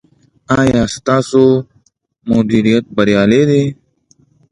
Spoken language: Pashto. ایا ستاسو مدیریت بریالی دی؟